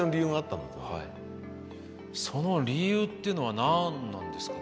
その理由っていうのは何なんですかね。